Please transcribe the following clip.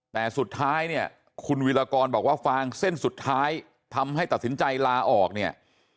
แต่สุดท้ายเนี่ยคุณวิรากรบอกว่าฟางเส้นสุดท้ายทำให้ตัดสินใจลาออกเนี่ย